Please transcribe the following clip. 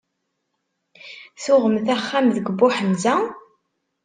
Tuɣemt axxam deg Buḥemza?